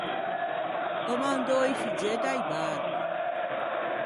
Ò mandou i figgeu da-i barbi.